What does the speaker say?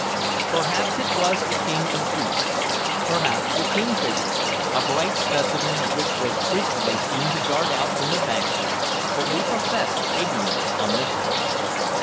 Perhaps it was the king of beasts, perhaps the kingfisher, a bright specimen of which was frequently seen to dart out from the banks, but we profess ignorance on this point.